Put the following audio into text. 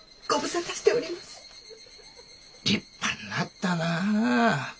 立派になったなぁ。